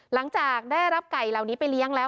หลังจากได้รับไก่เหล่านี้ไปเลี้ยงแล้ว